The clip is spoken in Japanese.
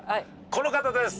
この方です！